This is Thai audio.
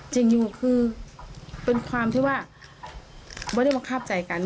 จริงอยู่คือเป็นความที่ว่าไม่ได้บังคับใจกัน